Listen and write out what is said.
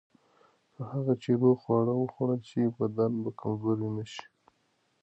تر هغه چې روغ خواړه وخوړل شي، بدن به کمزوری نه شي.